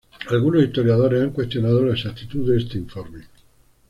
Algunos historiadores han cuestionado la exactitud de este informe.